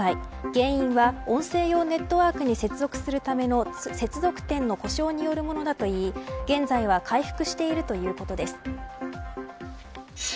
原因は音声用ネットワークに接続するための接続点の故障によるものだといい現在は回復しているということです。